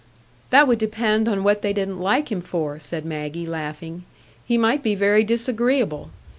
"That would depend on what they didn't like him for," said Maggie, laughing. "He might be very disagreeable.